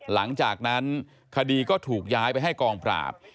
หลังจากนั้นคดีก็ถูกย้ายไปให้กองปราบ